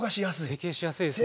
成形しやすいですね。